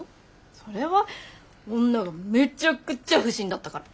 それは女がめちゃくちゃ不審だったから。